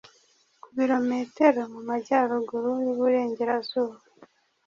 ku birometero mu majyaruguru y uburengerazuba